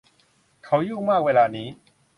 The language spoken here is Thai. เขายุ่งมากเวลานี้